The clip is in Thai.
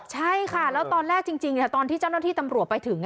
ใช่ค่ะแล้วตอนแรกจริงตอนที่เจ้าหน้าที่ตำรวจไปถึง